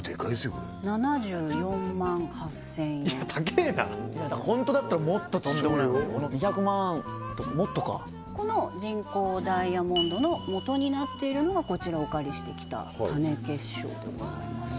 これこれが７４万８０００円いや高えなホントだったらもっととんでもない２００万とかもっとかこの人工ダイヤモンドの素になっているのがこちらお借りしてきた種結晶でございます